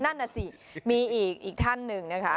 นั่นน่ะสิมีอีกท่านหนึ่งนะคะ